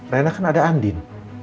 rena kan ada andin